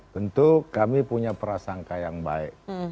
tentu kami punya prasangka yang baik